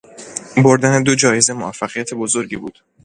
بردن دو جایزه موفقیت بزرگی بود.